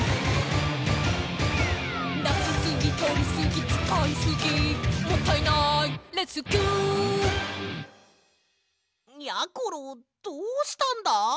「出しすぎとりすぎ使いすぎもったいないレスキュー」やころどうしたんだ！？